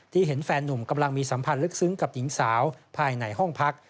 เห็นแฟนนุ่มกำลังมีสัมพันธ์ลึกซึ้งกับหญิงสาวภายในห้องพัก